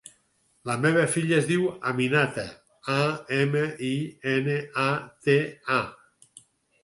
La meva filla es diu Aminata: a, ema, i, ena, a, te, a.